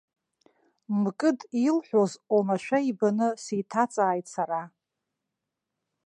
Мкыд илҳәоз омашәа ибаны сеиҭаҵааит сара.